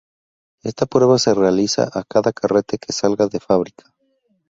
Esta prueba se realiza a cada carrete que salga de fábrica.